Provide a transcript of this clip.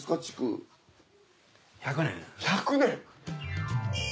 築１００年！